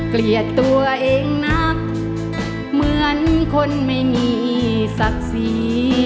เกลียดตัวเองนักเหมือนคนไม่มีศักดิ์ศรี